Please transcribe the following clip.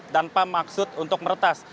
tanpa maksud untuk meretas